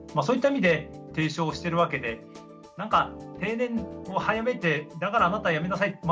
そういった意味で提唱してるわけで何か定年を早めてだからあなた辞めなさい。